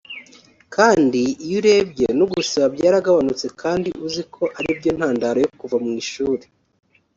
Kandi iyo urebye no gusiba byaragabanutse kandi uzi ko ari byo ntandaro yo kuva mu ishuri